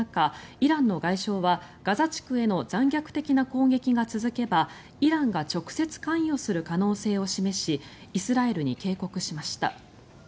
イランの外相は、ガザ地区への残虐的な攻撃が続けばイランが直接関与する可能性を示しイスラエルに警告しました。